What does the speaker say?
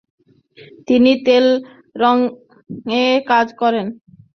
তিনি তেল রংয়ে কাজ করতেন।